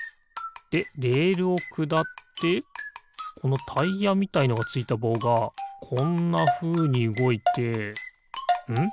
でレールをくだってこのタイヤみたいのがついたぼうがこんなふうにうごいてん？